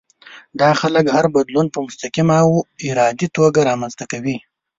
دا خلک هر بدلون په مستقيمه او ارادي توګه رامنځته کوي.